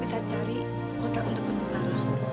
bisa cari hotel untuk sembunyikan